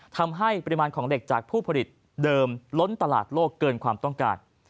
ทำให้ปริมาณของเหล็กจากผู้ผลิตเดิมล้นตลาดโลกเกินความต้องการ